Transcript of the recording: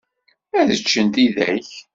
Ad ččen tidak.